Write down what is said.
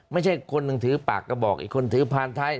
ไม่ใช่คนหนึ่งถือปากกระบอกอีกคนถือพานไทย